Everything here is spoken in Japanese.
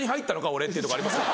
俺っていうとこありますから。